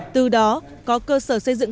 từ đó có cơ sở xây dựng